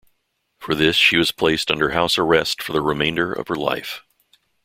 For this she was placed under house arrest for the remainder of her life.